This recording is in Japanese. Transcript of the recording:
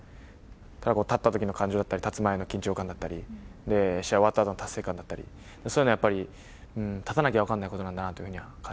ただ、立ったときの感情だったり、立つ前の緊張感だったり、試合終わったあとの達成感だったり、そういうの、やっぱり立たなきゃ分からないことなんだなというふうには感じ